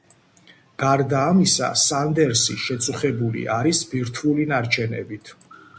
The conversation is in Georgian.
გარდა ამისა, სანდერსი შეწუხებული არის ბირთვული ნარჩენებით.